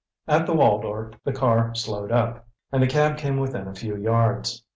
At the Waldorf the car slowed up, and the cab came within a few yards.